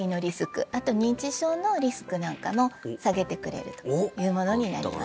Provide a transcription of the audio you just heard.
あと認知症のリスクなんかも下げてくれるというものになります